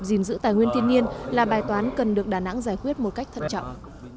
gìn giữ tài nguyên thiên nhiên là bài toán cần được đà nẵng giải quyết một cách thận trọng